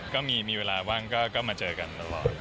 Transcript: ก็มีเวลาว่างก็มาเจอกันตลอด